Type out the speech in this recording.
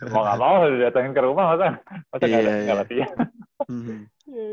mau gak mau udah datangin ke rumah masa gak latihan